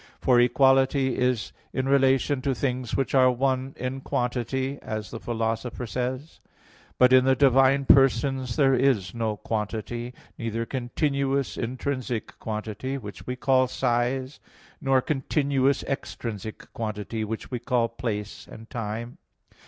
For equality is in relation to things which are one in quantity as the Philosopher says (Metaph. v, text 20). But in the divine persons there is no quantity, neither continuous intrinsic quantity, which we call size, nor continuous extrinsic quantity, which we call place and time.